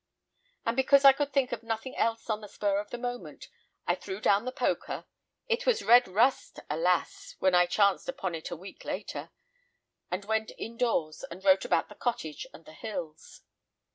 And because I could think of nothing else on the spur of the moment, I threw down the poker (it was red rust, alas, when I chanced upon it a week later) and went indoors and wrote about the cottage and the hills.